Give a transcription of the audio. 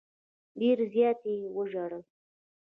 ډېر زیات یې وژړل.